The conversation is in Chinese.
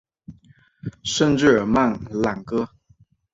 圣日尔曼朗戈。